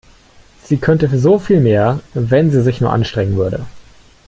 Sie könnte so viel mehr, wenn sie sich nur anstrengen würde.